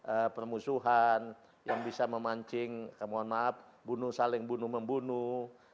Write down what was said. ada permusuhan yang bisa memancing mohon maaf bunuh saling bunuh membunuh